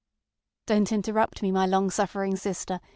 ŌĆØ DonŌĆÖt interrupt me, my long suffering sister!